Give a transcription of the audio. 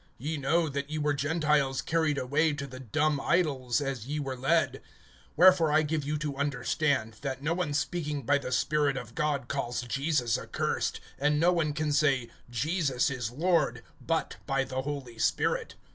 (2)Ye know that ye were Gentiles carried away to the dumb idols, as ye were led. (3)Wherefore I give you to understand, that no one speaking by the Spirit of God calls Jesus accursed; and no one can say, Jesus is Lord, but by the Holy Spirit.